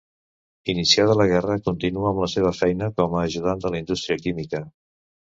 Iniciada la guerra continua amb la seva feina com a ajudant en la indústria química.